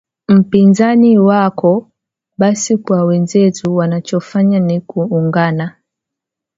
mpinzani wako basi kwa wenzetu wanachofanya ni kuungana